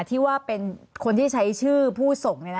ที่ว่าเป็นคนที่ใช้ชื่อผู้ส่ง